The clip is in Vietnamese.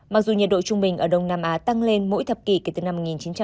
mặc dù nhiệt độ trung bình ở đông nam á tăng lên mỗi thập kỷ kể từ năm một nghìn chín trăm chín mươi